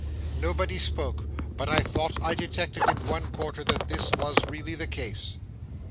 Nobody spoke, but I thought I detected in one quarter that this was really the case.